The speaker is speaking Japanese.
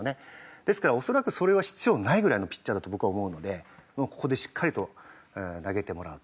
ですから恐らくそれは必要ないぐらいのピッチャーだと僕は思うのでここでしっかりと投げてもらうと。